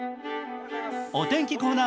お天気コーナー